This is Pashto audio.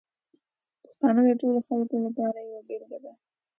پښتانه د ټولو خلکو لپاره یوه بېلګه دي.